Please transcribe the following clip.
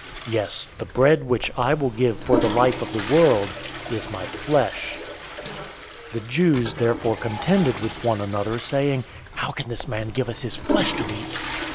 Yes, the bread which I will give for the life of the world is my flesh." 006:052 The Jews therefore contended with one another, saying, "How can this man give us his flesh to eat?"